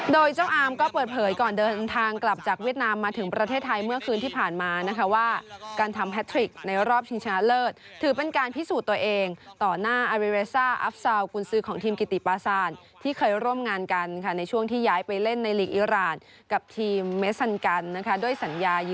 โดยเจ้าอามก็เปิดเผยก่อนเดินทางกลับจากเวียดนามมาถึงประเทศไทยเมื่อคืนที่ผ่านมานะคะว่าการทำแพทริกในรอบชิงชนะเลิศถือเป็นการพิสูจน์ตัวเองต่อหน้าอาริเวซ่าอัฟซาวกุญซือของทีมกิติปาซานที่เคยร่วมงานกันค่ะในช่วงที่ย้ายไปเล่นในลีกอิราณกับทีมเมซันกันนะคะด้วยสัญญา